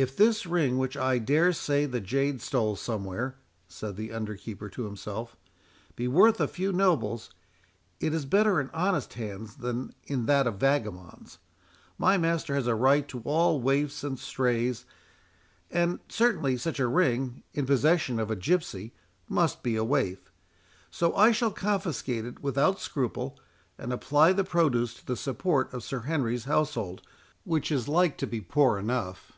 "If this ring, which I dare say the jade stole somewhere," said the underkeeper to himself, "be worth a few nobles, it is better in honest hands than in that of vagabonds. My master has a right to all waifs and strays, and certainly such a ring, in possession of a gipsy, must be a waif. So I shall confiscate it without scruple, and apply the produce to the support of Sir Henry's household, which is like to be poor enough.